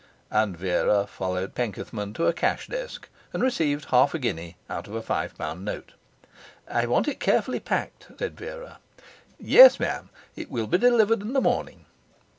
And Vera followed Penkethman to a cash desk and received half a guinea out of a five pound note. 'I want it carefully packed,' said Vera. 'Yes, ma'am. It will be delivered in the morning.'